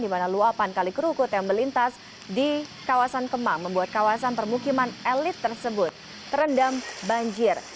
di mana luapan kali kerukut yang melintas di kawasan kemang membuat kawasan permukiman elit tersebut terendam banjir